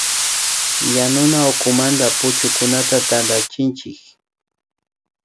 Yanuna ukumanta puchukunata tantachinchik